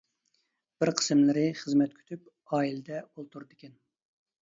بىر قىسىملىرى خىزمەت كۈتۈپ ئائىلىدە ئولتۇرىدىكەن.